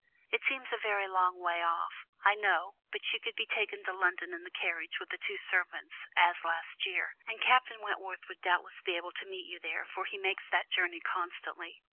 It seems a very long way off, I know, but you could be taken to London in the carriage, with the two servants, as last year; and Captain Wentworth would doubtless be able to meet you there, for he makes that journey constantly.